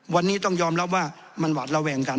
วันนี้ต้องยอมรับว่ามันหวาดระแวงกัน